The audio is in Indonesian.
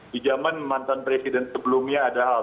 di zaman mantan presiden sebelumnya ada hal